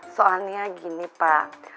soalnya gini pak